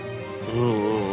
うんうん